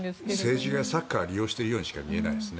政治がサッカーを利用しているようにしか見えないです。